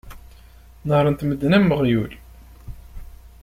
Nehhren-t medden am uɣyul.